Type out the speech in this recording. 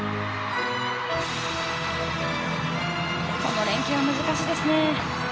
この連係は難しいですね。